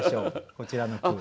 こちらの句。